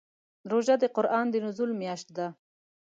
روژه د قرآن د نزول میاشت ده.